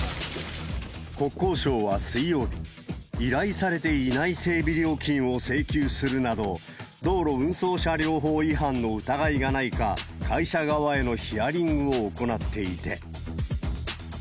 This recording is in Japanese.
国交省は水曜日、依頼されていない整備料金を請求するなど、道路運送車両法違反の疑いがないか、会社側へのヒアリングを行っていて。